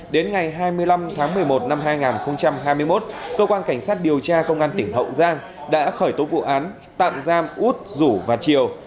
đến ngày hai mươi năm tháng một mươi một năm hai nghìn hai mươi một cơ quan cảnh sát điều tra công an tỉnh hậu giang đã khởi tố vụ án tạm giam út rủ và chiều